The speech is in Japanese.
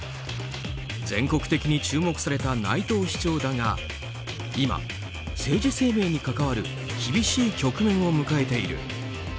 全国的に注目された内藤市長だが今、政治生命に関わる厳しい局面を迎えている。